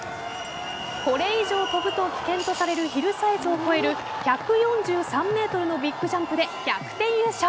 これ以上跳ぶと危険とされるヒルサイズを越える１４３ｍのビッグジャンプで逆転優勝。